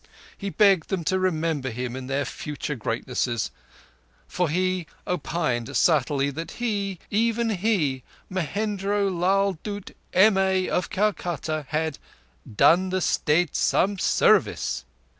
He begged them to remember him in their future greatnesses, for he "opined subtly" that he, even he, Mohendro Lal Dutt, MA of Calcutta, had "done the State some service".